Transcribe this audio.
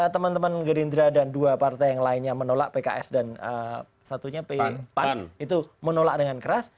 teman teman gerindra dan dua partai yang lainnya menolak pks dan satunya pan itu menolak dengan keras